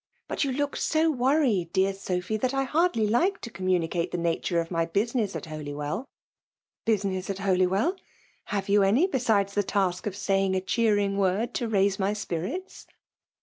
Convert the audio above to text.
But you look so worried, deiar Sophy, that I hardly like to communicate the nature of my business at Holywell." « Business at Holywell! Have you any, besides the task of saying a cheering word to raise my spirits